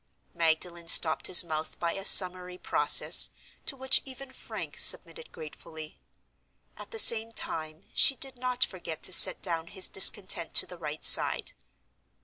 Magdalen stopped his mouth by a summary process, to which even Frank submitted gratefully. At the same time, she did not forget to set down his discontent to the right side.